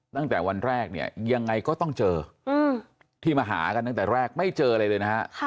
ตั้งแต่วันแรกเนี่ยยังไงก็ต้องเจอที่มาหากันตั้งแต่แรกไม่เจออะไรเลยนะฮะ